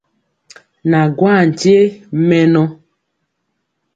Na gwaa nkye mɛnɔ.